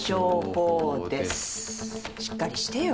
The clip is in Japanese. しっかりしてよ。